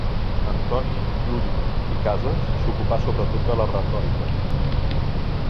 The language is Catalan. Antoni Llull i Cases s'ocupà sobretot de la retòrica.